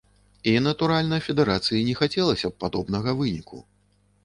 І, натуральна, федэрацыі не хацелася б падобнага выніку.